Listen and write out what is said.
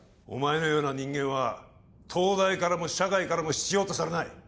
お前のような人間は、東大からも社会からも必要とされない。